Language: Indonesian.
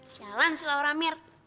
sialan si laura mir